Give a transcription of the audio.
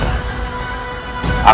aku ingin mencari ayahanda